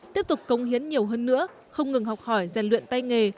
tiếp tục công hiến nhiều hơn nữa không ngừng học hỏi gian luyện tay nghề